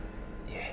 いえ。